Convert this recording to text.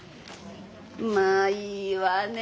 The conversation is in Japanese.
まあいいわね。